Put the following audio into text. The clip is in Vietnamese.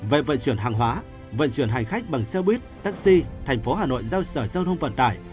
về vận chuyển hàng hóa vận chuyển hành khách bằng xe buýt taxi tp hcm giao sở giao thông vận tải